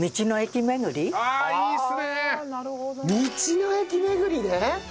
道の駅巡りね！